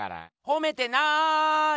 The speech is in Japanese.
ほめてない！